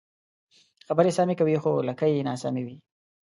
خبرې سمې کوې خو لکۍ یې ناسمې وي.